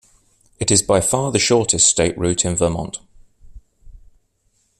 It is by far the shortest state route in Vermont.